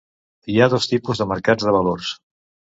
Hi ha dos tipus de mercats de valors.